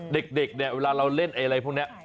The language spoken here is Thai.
เด็กเนี่ยเวลาเราเล่นอะไรพวกนี้